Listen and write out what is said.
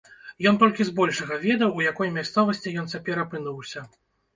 Ён толькі збольшага ведаў, у якой мясцовасці ён цяпер апынуўся.